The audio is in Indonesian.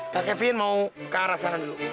kak kevin mau ke arah sana dulu